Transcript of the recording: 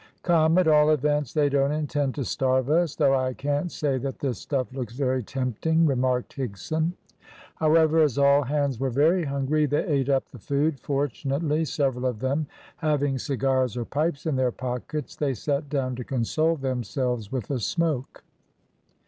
"Come, at all events, they don't intend to starve us; though I can't say that this stuff looks very tempting," remarked Higson. However, as all hands were very hungry, they ate up the food. Fortunately, several of them having cigars or pipes in their pockets, they sat down to console themselves with a smoke.